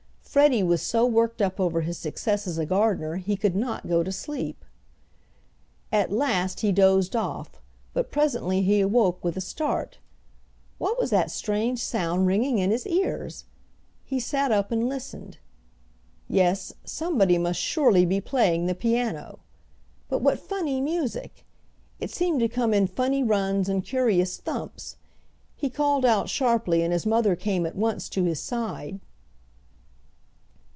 Freddie was so worked up over his success as a gardener he could not go to sleep. At last he dozed off, but presently he awoke with a start. What was that strange sound ringing in his ears? He sat up and listened. Yes, somebody must surely be playing the piano. But what funny music! It seemed to come in funny runs and curious thumps. He called out sharply, and his mother came at once to his side.